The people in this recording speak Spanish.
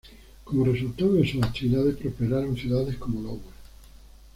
Como resultado de sus actividades, prosperaron ciudades como Lowell.